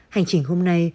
hành trình hôm nay